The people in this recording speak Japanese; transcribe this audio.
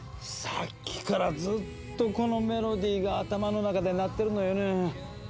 さっきからずっとこのメロディーが頭の中で鳴ってるのよね。